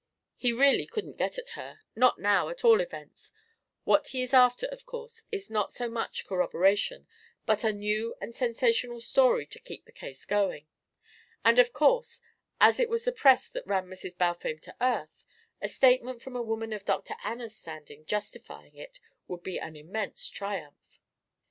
He really couldn't get at her not now, at all events; what he is after, of course, is not so much corroboration, but a new and sensational story to keep the case going. And, of course, as it was the press that ran Mrs. Balfame to earth, a statement from a woman of Dr. Anna's standing justifying it would be an immense triumph."